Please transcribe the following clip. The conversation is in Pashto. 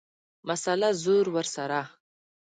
مسئله ، زور ورسره.